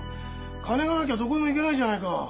金がなきゃどこへも行けないじゃないか。